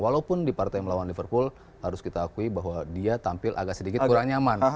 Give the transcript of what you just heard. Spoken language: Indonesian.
walaupun di partai melawan liverpool harus kita akui bahwa dia tampil agak sedikit kurang nyaman